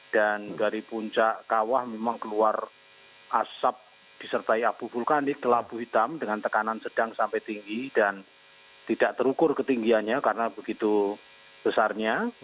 dan dari puncak kawah memang keluar asap disertai abu vulkanik telapu hitam dengan tekanan sedang sampai tinggi dan tidak terukur ketinggiannya karena begitu besarnya